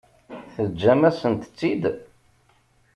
Teǧǧam-asent-tt-id?